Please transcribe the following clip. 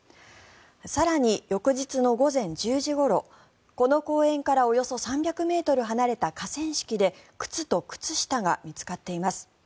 更に、翌日の午前１０時ごろこの公園からおよそ３００ｍ離れた河川敷で靴と靴下が見つかっています。